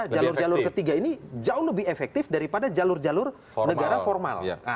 jalur jalur ketiga ini jauh lebih efektif daripada jalur jalur negara formal